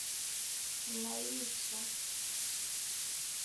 nyuma y'ibyo